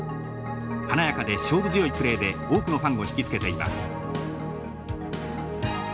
華やかで勝負強いプレーで多くのファンを引き付けています。